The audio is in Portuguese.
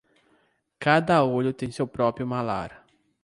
Cada olho tem seu próprio malar.